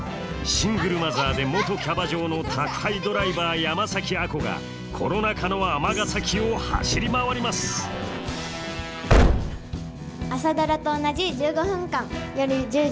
シングルマザーで元キャバ嬢の宅配ドライバー山崎亜子がコロナ禍の尼崎を走り回ります「朝ドラ」と同じ１５分間。